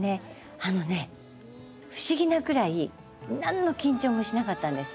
あのね不思議なくらい何の緊張もしなかったんです。